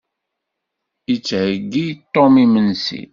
Yettheyyi Tom imensi.